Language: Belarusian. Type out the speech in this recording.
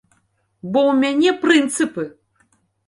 Бо ў мяне прынцыпы!